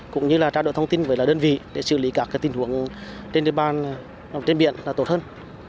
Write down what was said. cũng như là trao đổi thông tin với đơn vị để xử lý các tình huống trên biển là tốt hơn